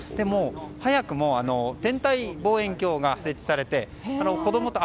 早くも天体望遠鏡が設置されて。